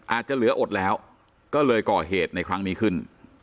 อาจจะเหลืออดแล้วก็เลยก่อเหตุในครั้งนี้ขึ้น